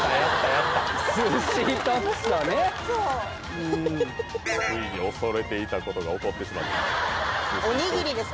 うんついに恐れていたことが起こってしまったお握りです